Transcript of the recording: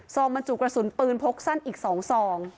บรรจุกระสุนปืนพกสั้นอีก๒ซอง